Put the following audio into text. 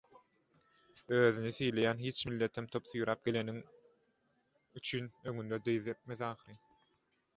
Özüni sylaýan hiç milletem top süýräp geleniň üçin öňüňde dyz epmez ahyryn.